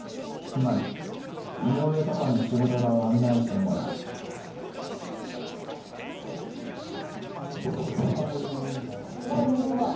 つまり井上パパの仕事場を案内してもらうすごいすごい。